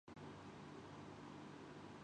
چین آئے نہ کے بعد